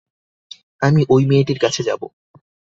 আমি ঐ মেয়েটির কাছে যাব।